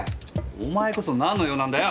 お前こそ何の用なんだよ！？